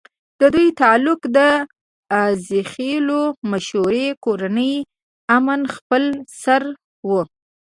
ددوي تعلق د عزيخېلو مشهورې کورنۍ اِمنه خېل سره وو